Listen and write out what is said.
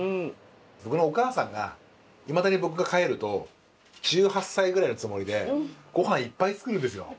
僕のお母さんがいまだに僕が帰ると１８歳ぐらいのつもりでごはんいっぱい作るんですよ。